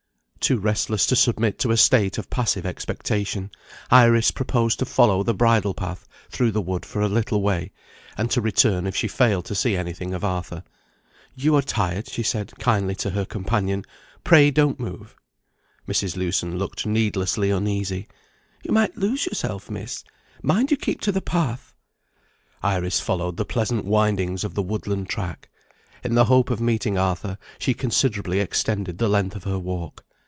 Too restless to submit to a state of passive expectation, Iris proposed to follow the bridle path through the wood for a little way, and to return if she failed to see anything of Arthur. "You are tired," she said kindly to her companion: "pray don't move." Mrs. Lewson looked needlessly uneasy: "You might lose yourself, Miss. Mind you keep to the path!" Iris followed the pleasant windings of the woodland track. In the hope of meeting Arthur she considerably extended the length of her walk.